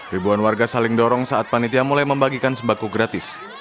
ribuan warga saling dorong saat panitia mulai membagikan sembako gratis